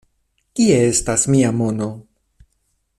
Kie estas mia mono?